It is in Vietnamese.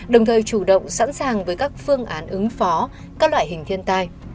đồng thời chủ động sẵn sàng với các phương án ứng phó các loại hình thiên tai